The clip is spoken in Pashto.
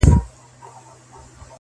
غلیم وایي پښتون پرېږدی چي بیده وي,